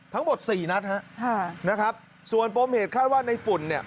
ทั้งหมดสี่นัดฮะค่ะนะครับส่วนปมเหตุคาดว่าในฝุ่นเนี่ย